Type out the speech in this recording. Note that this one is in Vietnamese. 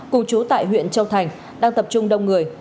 cùng chú tại huyện châu thành đang tập trung đông người